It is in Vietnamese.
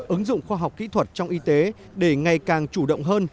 ứng dụng khoa học kỹ thuật trong y tế để ngày càng chủ động hơn